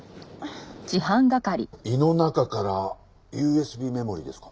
胃の中からＵＳＢメモリーですか。